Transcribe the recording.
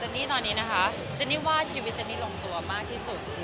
นี่ตอนนี้นะคะเจนนี่ว่าชีวิตเจนนี่ลงตัวมากที่สุด